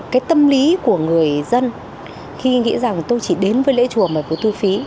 cái tâm lý của người dân khi nghĩ rằng tôi chỉ đến với lễ chùa mà có thu phí